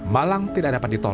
malang tidak dapat ditolong